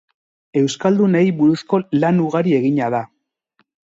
Euskaldunei buruzko lan ugari egina da.